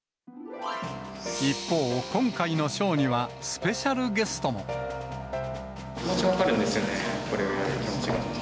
一方、今回のショーにはスペ気持ち分かるんですよね、これをやる気持ちが。